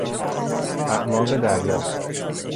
اعماق دریا